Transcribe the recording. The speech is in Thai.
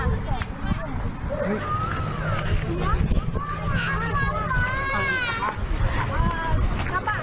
มีคนเด็กก็ของสี่คนค่ะ